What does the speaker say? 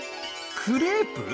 クレープ？